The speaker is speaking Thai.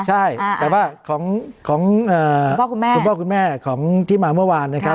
ใช่แต่ว่าของคุณพ่อคุณแม่ของที่มาเมื่อวานนะครับ